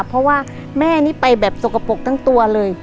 เพราะว่าแม่นี่ไปแบบสกปรกทั้งตัวเลย